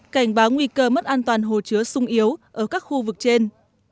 cảnh báo nguy cơ mất an toàn hồ chứa sung yếu ở các khu vực trên